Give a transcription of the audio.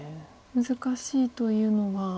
難しいというのは。